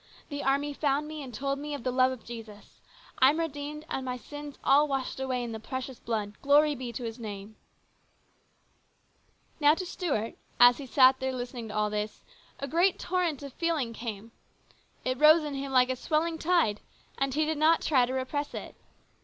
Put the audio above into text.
The army found me and told me of the love of Jesus. I'm redeemed and my sins all washed away in the precious blood, glory be to His name !" Now to Stuart, as he sat there listening to all this, a great torrent of feeling came. It rose in him like a swelling tide, and he did not try to repress it.